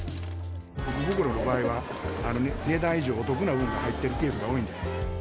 福袋の場合は、値段以上、お得な分が入ってるケースが多いんでね。